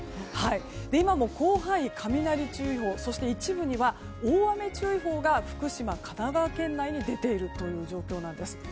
今も広範囲に雷注意報そして一部には大雨注意報が福島、神奈川県内に出ている状況なんです。